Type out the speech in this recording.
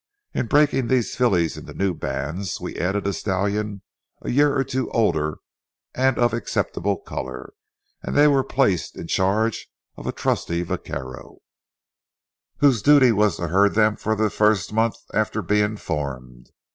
In breaking these fillies into new bands, we added a stallion a year or two older and of acceptable color, and they were placed in charge of a trusty vaquero, whose duty was to herd them for the first month after being formed.